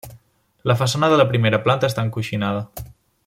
La façana de la primera planta està encoixinada.